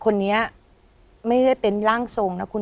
คนนี้ไม่ได้เป็นร่างทรงนะคุณ